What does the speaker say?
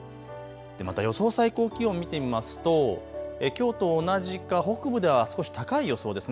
また予想最高気温見てみますときょうと同じか北部では少し高い予想です。